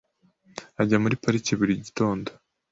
Ajya muri parike buri gitondo .